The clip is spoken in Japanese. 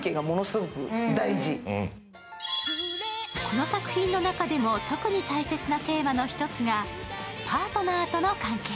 この作品の中でも特に大切なテーマの一つがパートナーとの関係。